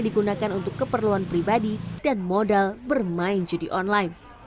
digunakan untuk keperluan pribadi dan modal bermain judi online